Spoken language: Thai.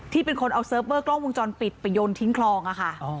ที่เป็นคนเอาเซิร์ฟเบอร์กล้องวงจรปิดไปยนต์ทิ้งคลองอ่ะค่ะอ๋อค่ะ